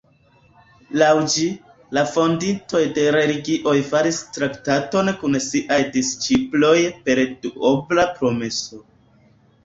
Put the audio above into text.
Laŭ ĝi, la fondintoj de religioj faris traktaton kun siaj disĉiploj per duobla promeso.